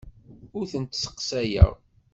Ur tent-stenyayeɣ.